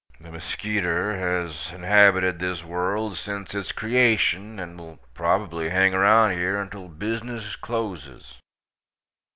The muskeeter haz inhabited this world since its kreashun, and will probably hang around here until bizzness closes.